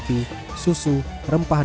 pria funktion jualan perumahan